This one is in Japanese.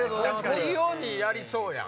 小器用にやりそうやん。